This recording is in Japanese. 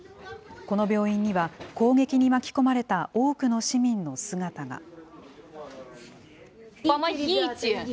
この病院には、攻撃に巻き込まれた多くの市民の姿が。